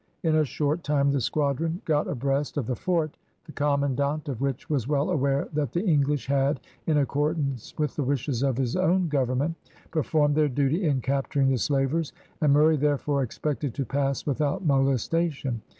In a short time, the squadron got abreast of the fort, the commandant of which was well aware that the English had, in accordance with the wishes of his own government, performed their duty in capturing the slavers, and Murray therefore expected to pass without molestation.